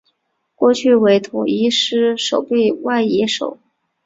过去为统一狮守备外野手。